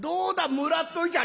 もらっといちゃ」。